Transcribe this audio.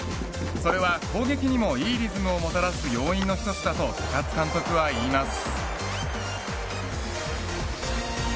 それは攻撃にもいいリズムをもたらす要因の１つだと高津監督はいいます。